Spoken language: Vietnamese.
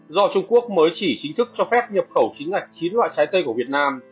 do trung quốc mới chỉ chính thức cho phép nhập khẩu chính ngạch chín loại trái cây của việt nam